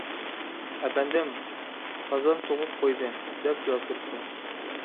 ئەپەندىم: «قازان تۇغۇپ قويدى» دەپ جاۋاب بېرىپتۇ.